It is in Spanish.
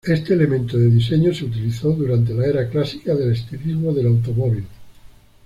Este elemento de diseño se utilizó durante la era clásica del estilismo del automóvil.